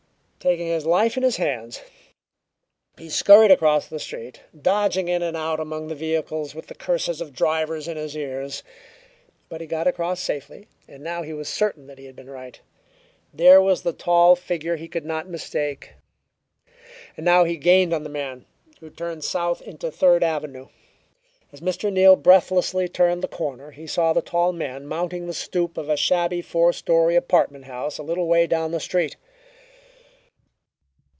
Taking his life in his hands, he scurried across the street, dodging in and out among the vehicles with the curses of drivers in his ears. But he got across safely, and now he was certain that he had been right: there was the tall figure he could not mistake. Now he gained on the man, who turned south into Third Avenue. As Mr. Neal breathlessly turned the corner he saw the tall man mounting the stoop of a shabby four story apartment house a little way down the street.